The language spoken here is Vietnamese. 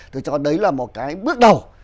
tôi cho đấy là một cái bước đầu